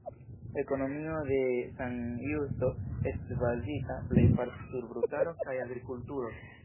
Ekonomio de San Justo estis bazita plejparte sur brutaro kaj agrikulturo.